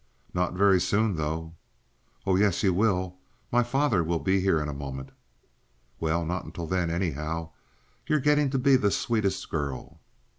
"Not very soon, though." "Oh yes, you will. My father will be here in a moment." "Well, not until then, anyhow. You're getting to be the sweetest girl."